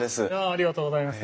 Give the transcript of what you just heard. ありがとうございます。